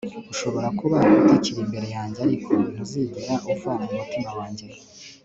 urashobora kuba utakiri imbere yanjye ariko ntuzigera uva mu mutima wanjye